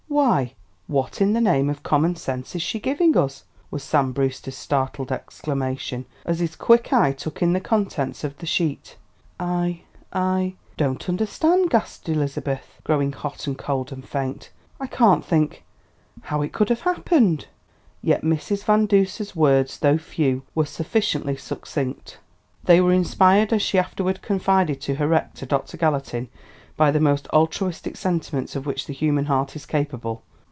"Why what in the name of common sense is she giving us?" was Sam Brewster's startled exclamation as his quick eye took in the contents of the sheet. "I I don't understand," gasped Elizabeth, growing hot and cold and faint, "I can't think how it could have happened." Yet Mrs. Van Duser's words, though few, were sufficiently succinct. They were inspired, as she afterward confided to her rector, Dr. Gallatin, by the most altruistic sentiments of which the human heart is capable.